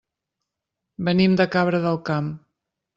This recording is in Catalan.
Venim de Cabra del Camp.